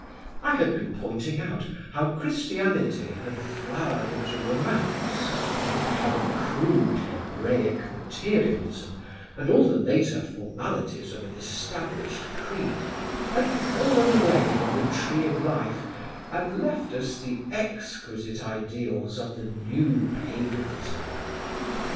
I had been pointing out how Christianity had flowered into romance, and how the crude Hebraic materialism and all the later formalities of an established creed had fallen away from the tree of life and left us the exquisite ideals of the new paganism....